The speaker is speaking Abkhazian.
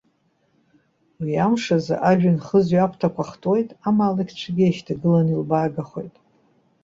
Уи амш азы, ажәҩан хызҩо аԥҭақәа хтуеит, амаалықьцәагьы иеишьҭагыланы илбаагахоит.